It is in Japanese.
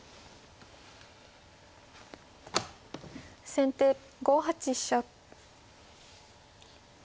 先手５八飛車。